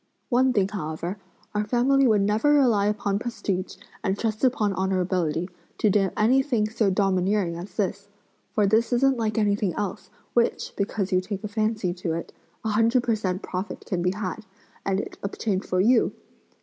One thing however; our family would never rely upon prestige, and trust upon honorability to do anything so domineering as this! for this isn't like anything else, which, because you take a fancy to it, a hundred per cent profit can be added, and it obtained for you!